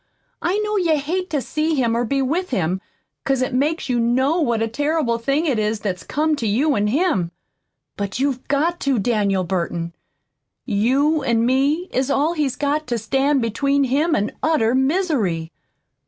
I know you hate to see him or be with him, 'cause it makes you KNOW what a terrible thing it is that's come to you an' him. But you've got to, Daniel Burton. You an' me is all he's got to stand between him an' utter misery.